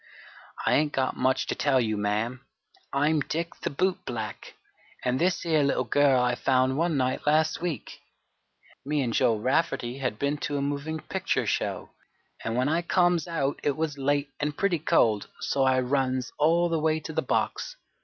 "I ain't got much to tell you, ma'am. I'm Dick the boot black, an' this here little girl I found one night last week. Me and Joe Rafferty had been to a movin' picture show, and when I comes out it was late an' pretty cold, so I runs all the way to the box.